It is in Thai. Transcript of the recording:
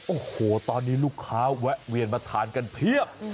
โอ้โหตอนนี้ลูกค้าแวะเวียนมาทานกันเพียบ